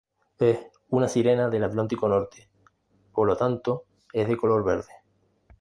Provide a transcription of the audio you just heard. Es una sirena del Atlántico Norte, por lo tanto es de color verde.